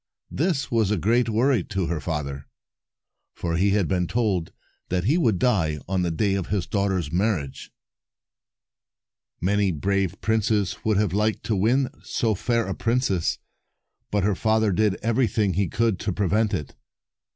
This was a great worry to her father, for he had been told that he would die on the day of his daughter's marriage. Many brave princes would have liked to win so fair a princess, but her father did everything he could to prevent it.